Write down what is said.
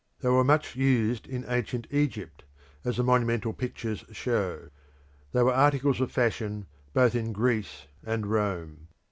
They were much used in ancient Egypt, as the monumental pictures show: they were articles of fashion both in Greece and Rome.